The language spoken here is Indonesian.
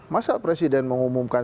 masa presiden mengumumkan